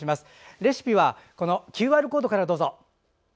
レシピはＱＲコードからどうぞ。